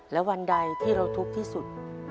และวันใดที่เราทุกข์ที่สุด